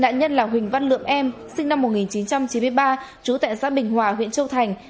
nạn nhân là huỳnh văn lượng em sinh năm một nghìn chín trăm chín mươi ba trú tại xã bình hòa huyện châu thành